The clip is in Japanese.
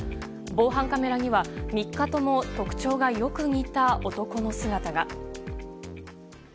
防犯カメラには、３日とも特徴がよく似た男の姿が。